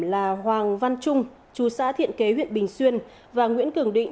là hoàng văn trung chú xã thiện kế huyện bình xuyên và nguyễn cường định